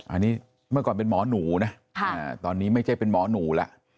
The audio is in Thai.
อันนี้เมื่อก่อนเป็นหมอหนูนะตอนนี้ไม่ใช่เป็นหมอหนูแล้ว